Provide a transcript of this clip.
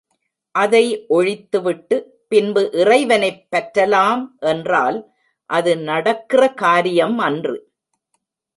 அதை ஒழித்து விட்டு பின்பு இறைவனைப் பற்றலாம் என்றால் அது நடக்கிற காரியம் அன்று.